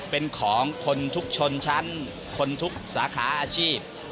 เป็นของคนทุกชนชั้นคนทุกสาขาอาชีพ